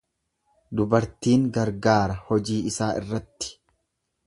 Dubartiin gargaara hojii isaa irratti.